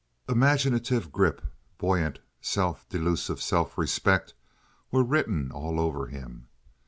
Imaginative grip, buoyant, self delusive self respect were written all over him.